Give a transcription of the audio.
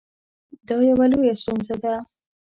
دا یوه لویه ستونزه ده